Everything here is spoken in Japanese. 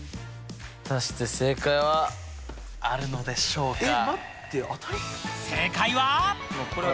果たして正解はあるのでしょうか？